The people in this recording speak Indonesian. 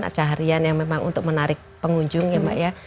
acara harian yang memang untuk menarik pengunjung ya mbak ya